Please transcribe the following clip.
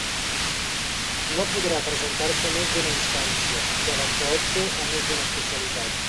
No podrà presentar-se més d'una instància, llevat que opte a més d'una especialitat.